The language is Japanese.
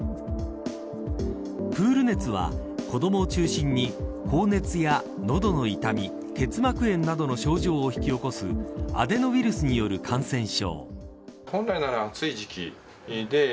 プール熱は、子どもを中心に高熱や喉の痛み結膜炎などの症状を引き起こすアデノウイルスによる感染症。